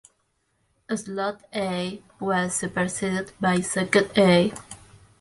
Slot A was superseded by Socket A.